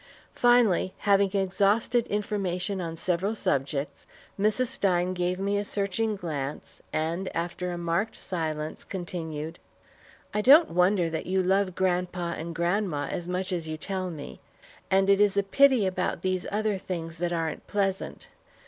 Finally, having exhausted information on several subjects, Mrs. Stein gave me a searching glance, and after a marked silence, continued: "I don't wonder that you love grandpa and grandma as much as you tell me, and it is a pity about these other things that aren't pleasant.